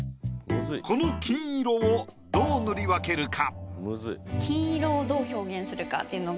この金色をどう塗り分けるか。